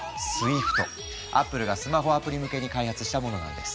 Ａｐｐｌｅがスマホアプリ向けに開発したものなんです。